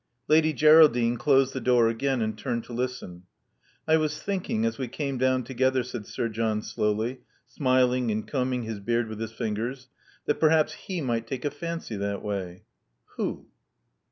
Lady Geraldine closed the door again, and turned to listen. I was thinking, as we came down together," said Sir John slowly, smiling and combing his beard with his fingers, that perhaps he might take a fancy that way." Who?"